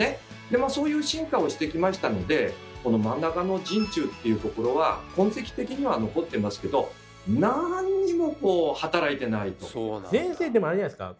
でまあそういう進化をしてきましたのでこの真ん中の人中っていうところは痕跡的には残ってますけど先生でもあれじゃないですか？